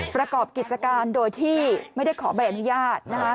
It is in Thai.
ประกอบกิจการโดยที่ไม่ได้ขอใบอนุญาต